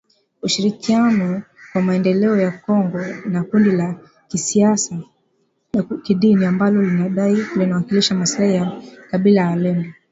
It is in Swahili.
Ushirikiano kwa Maendeleo ya kongo na kundi la kisiasa na kidini ambalo linadai linawakilisha maslahi ya kabila la walendu.